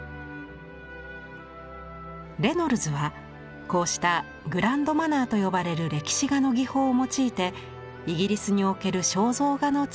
レノルズはこうした「グランド・マナー」と呼ばれる歴史画の技法を用いてイギリスにおける肖像画の地位を高めました。